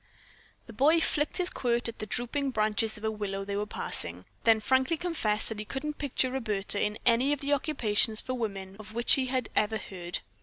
The boy flicked his quirt at the drooping branches of a willow they were passing, then frankly confessed that he couldn't picture Roberta in any of the occupations for women of which he had ever heard.